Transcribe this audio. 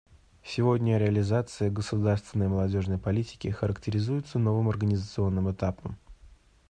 Сегодня реализация государственной молодежной политики характеризуется новым организационным этапом.